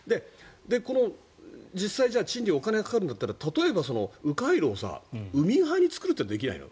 この実際、賃料お金がかかるんだったら例えば迂回路を海側に作るってできないの？